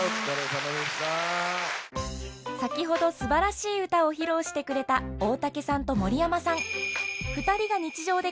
先ほどすばらしい歌を披露してくれた大竹さんと森山さん